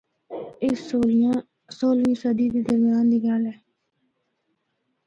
اے سولہویں صدی دے درمیان دی گل اے۔